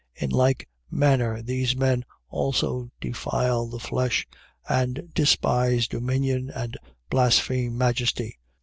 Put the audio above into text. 1:8. In like manner, these men also defile the flesh and despise dominion and blaspheme majesty.